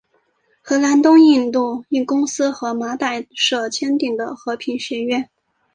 荷兰东印度公司和麻豆社签订的和平协约。